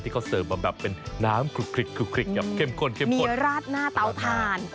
ที่เขาเสิร์ฟมาแบบเป็นน้ำกรุกกริกแบบเข้มข้นมีราดหน้าเตาผ่าน